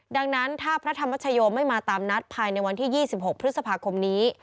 ดังนั้นถ้าพระธรรมชโยไม่มาตามนัดภายในวันที่๒๖พฤษภาคมนี้